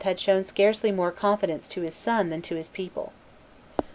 had shown scarcely more confidence to his son than to his people.